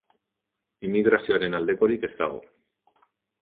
Inmigrazioaren aldekorik ez dago.